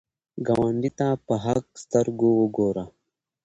ګاونډي ته په حق سترګو وګوره